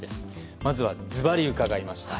まずは、ずばり伺いました。